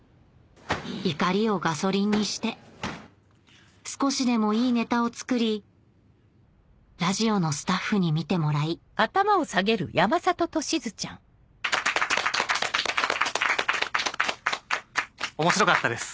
怒りをガソリンにして少しでもいいネタを作りラジオのスタッフに見てもらい面白かったです。